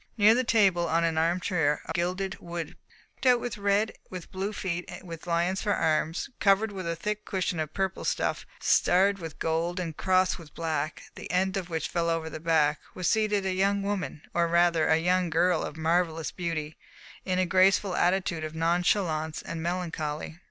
Near the table, on an armchair of gilded wood picked out with red, with blue feet, and with lions for arms, covered with a thick cushion of purple stuff starred with gold and crossed with black, the end of which fell over the back, was seated a young woman, or rather, a young girl of marvellous beauty, in a graceful attitude of nonchalance and melancholy.